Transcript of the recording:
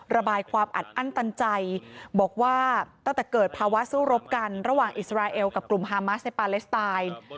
ระบายความอัดอั้นตันใจบอกว่าตั้งแต่เกิดภาวะสู้รบกันระหว่างอิสราเอลกับกลุ่มฮามาสในปาเลสไตน์